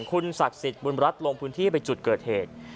คุณศักดิ์สิทธิ์บุญรัฐลงพื้นที่ไปจุดเกิดเหตุ